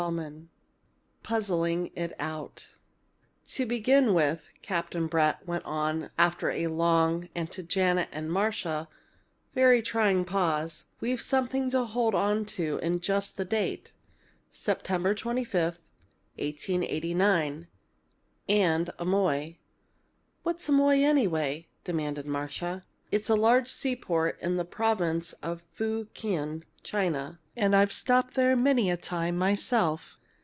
CHAPTER XV PUZZLING IT OUT "To begin with," Captain Brett went on after a long and (to Janet and Marcia) very trying pause, "we've something to hold on to in just the date Sept 25, 1889 and Amoy." "What's Amoy, anyway?" demanded Marcia. "It's a large seaport in the province of Fu kien, China, and I've stopped there many a time myself.